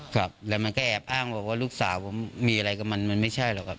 ครับแล้วมันก็แอบอ้างบอกว่าลูกสาวผมมีอะไรกับมันมันไม่ใช่หรอกครับ